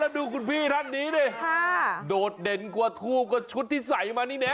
อ๋อแล้วดูคุณพี่ท่านนี้โดดเด่นกว่าทูปกว่าชุดที่ใส่มานี่เนี่ย